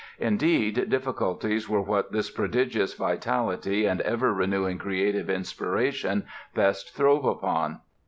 Indeed, difficulties were what this prodigious vitality and ever renewing creative inspiration best throve upon.